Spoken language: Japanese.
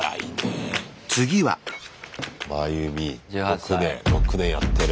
６年やってる。